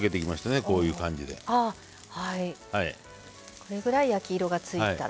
これぐらい焼き色がついたら。